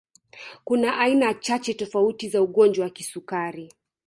Kuna aina chache tofauti za ugonjwa wa kisukari